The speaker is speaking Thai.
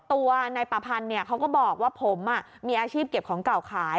ตัวนายประพันธ์เขาก็บอกว่าผมมีอาชีพเก็บของเก่าขาย